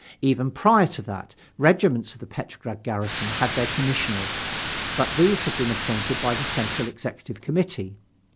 Even prior to that, regiments of the Petrograd garrison had their commissioners, but these had been appointed by the Central Executive Committee.